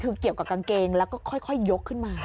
คือเกี่ยวกับกางเกงแล้วก็ค่อยยกขึ้นมา